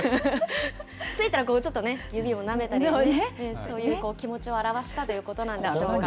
付いたらちょっとね、指をなめたりね、そういう気持ちを表したということなんでしょうか。